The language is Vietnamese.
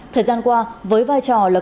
thời gian qua với vai trò là cơ quan tổ chức